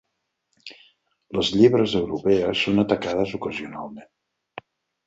Les llebres europees són atacades ocasionalment.